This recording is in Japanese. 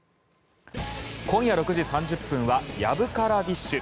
今夜６時３０分は「やぶからディッシュ」。